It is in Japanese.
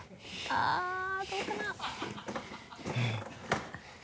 あっどうかな？